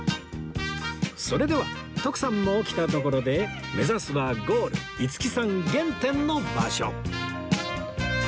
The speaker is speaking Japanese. それでは徳さんも起きたところで目指すはゴール五木さん原点の場所